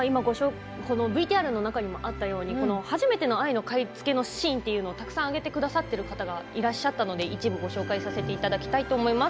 ＶＴＲの中にもあったように、初めての藍の買い付けのシーン、たくさん挙げてくださっている方がいらっしゃったので一部ご紹介させていただきます。